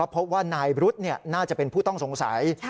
พบว่านายรุธน่าจะเป็นผู้ต้องสงสัย